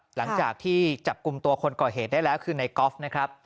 หลังจากที่จับกลุ่มตัวคนก่อเหตุได้แล้วคือในกอล์ฟนะครับ